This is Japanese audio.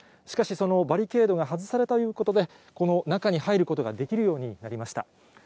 しかしそのバリケードが外されたということで、この中に入ることができるようになりました。